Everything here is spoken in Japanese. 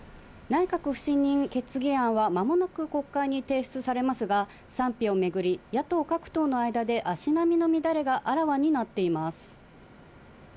内閣不信任決議案は、まもなく国会に提出されますが、賛否を巡り、野党各党の間で、足並みの乱れがあらわになっています。